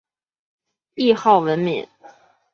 谥号文敏。